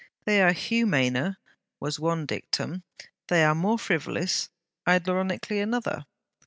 They are humaner, was one dictum; they are more frivolous, ironically another.